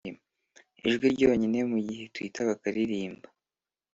ijwi ryinyoni mugihe twitter bakaririmba,